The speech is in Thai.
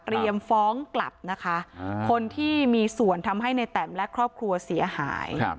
ฟ้องกลับนะคะคนที่มีส่วนทำให้ในแตมและครอบครัวเสียหาย